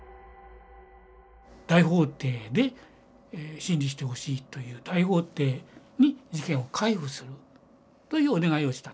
大法廷で審理してほしいという大法廷に事件を回付するというお願いをしたと。